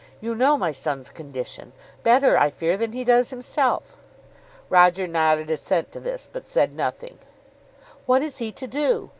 You know my son's condition, better, I fear, than he does himself." Roger nodded assent to this, but said nothing. "What is he to do?